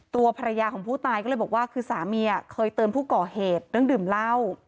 ตัวภรรยาของผู้ตายก็เลยบอกว่าคือสามีเคยเตือนผู้ก่อเหตุเรื่องดื่มเหล้า